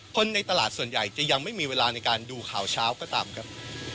คนในตลาดส่วนใหญ่จะยังไม่มีเวลาในการดูข่าวเช้าก็ตามครับ